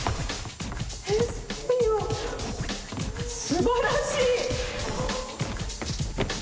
すばらしい！